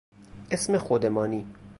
اسم خود مانی